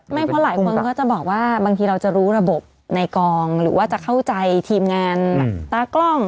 เพราะหลายคนก็จะบอกว่าบางทีเราจะรู้ระบบในกองหรือว่าจะเข้าใจทีมงานแบบตากล้อง